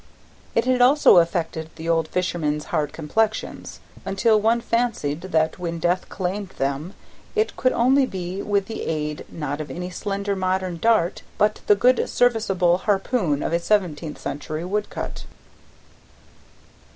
It had also affected the old fishermen's hard complexions, until one fancied that when Death claimed them it could only be with the aid, not of any slender modern dart, but the good serviceable harpoon of a seventeenth century woodcut.